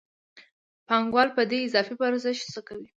پانګوال په دې اضافي ارزښت څه کوي